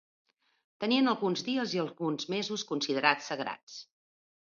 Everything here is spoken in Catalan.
Tenien alguns dies i alguns mesos considerats sagrats.